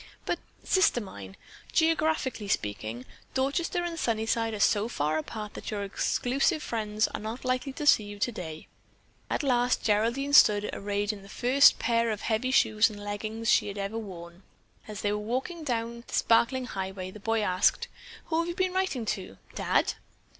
"But, Sister mine, geographically speaking, Dorchester and Sunnyside are so far apart that your exclusive friends are not likely to see you today." At last Geraldine stood arrayed in the first pair of heavy shoes and leggins she had ever worn. As they were walking along the sparkling highway, the boy asked, "Who have you been writing to? Dad?"